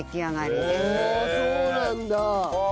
おおそうなんだ。